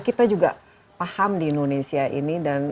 kita juga paham di indonesia ini